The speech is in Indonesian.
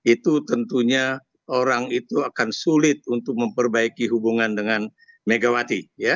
itu tentunya orang itu akan sulit untuk memperbaiki hubungan dengan megawati